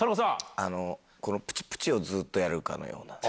あの、このぷちぷちをずっとやるかのような。